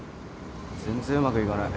全然うまくいかない。